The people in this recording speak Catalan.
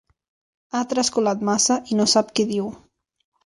Ha trascolat massa i no sap què diu.